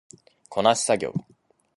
こなし作業